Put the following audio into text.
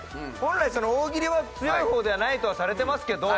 大喜利は強い方ではないとはされてますけど。